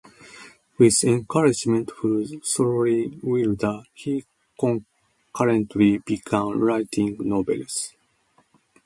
With encouragement from Thornton Wilder, he concurrently began writing novels.